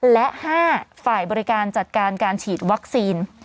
และ๕ฝ่ายบริการจัดการการฉีดวัคซีน